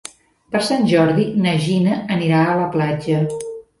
Per Sant Jordi na Gina anirà a la platja.